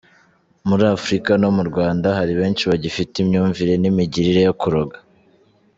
Muri Africa, no mu Rwanda, hari benshi bagifite imyumvire n’imigirire yo kuroga.